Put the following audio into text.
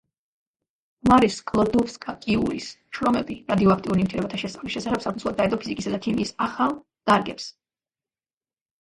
მარი სკლოდოვსკა-კიურის შრომები რადიოაქტიურ ნივთიერებათა შესწავლის შესახებ საფუძვლად დაედო ფიზიკისა და ქიმიის ახალ დარგებს.